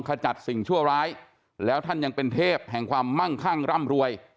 ขจัดสิ่งชั่วร้ายแล้วท่านยังเป็นเทพแห่งความมั่งคั่งร่ำรวย